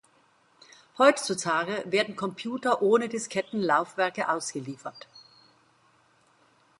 Heutzutage werden Computer ohne Diskettenlaufwerke ausgeliefert.